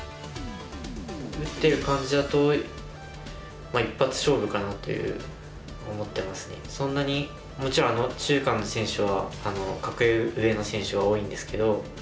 打ってる感じだとそんなにもちろん中韓の選手は格上の選手が多いんですけど。